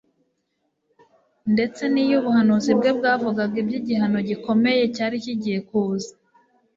ndetse niyubuhanuzi bwe bwavugaga ibyigihano gikomeye cyari kigiye kuza